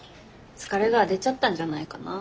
疲れが出ちゃったんじゃないかな。